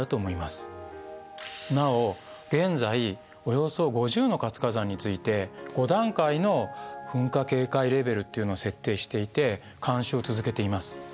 なお現在およそ５０の活火山について５段階の噴火警戒レベルっていうのを設定していて監視を続けています。